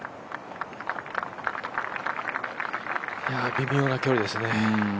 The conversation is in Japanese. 微妙な距離ですね。